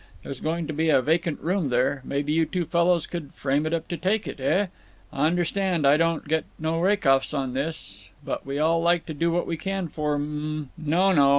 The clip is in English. There's going to be a vacant room there—maybe you two fellows could frame it up to take it, heh? Understand, I don't get no rake off on this, but we all like to do what we can for M—" "No, no!"